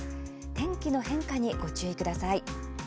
天気の変化にご注意ください。